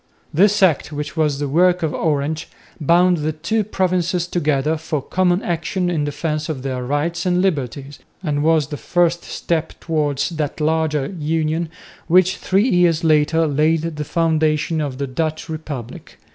This Act, which was the work of Orange, bound the two provinces together for common action in defence of their rights and liberties and was the first step towards that larger union, which three years later laid the foundations of the Dutch Republic.